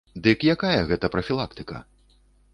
Дык якая гэта прафілактыка?